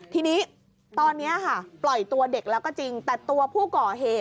ทีนี้ตอนนี้ค่ะปล่อยตัวเด็กแล้วก็จริงแต่ตัวผู้ก่อเหตุ